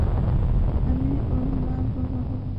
আমিই ওর মা ও বাবা হবো।